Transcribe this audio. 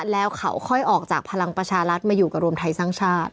แล้วเขาค่อยออกจากพลังประชารัฐมาอยู่กับรวมไทยสร้างชาติ